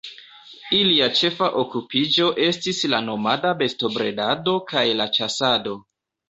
Ilia ĉefa okupiĝo estis la nomada bestobredado kaj la ĉasado.